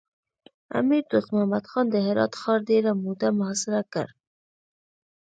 امیر دوست محمد خان د هرات ښار ډېره موده محاصره کړ.